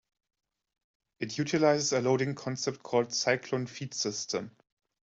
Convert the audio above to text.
It utilizes a loading concept called the "Cyclone Feed System".